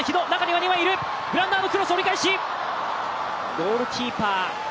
ゴールキーパー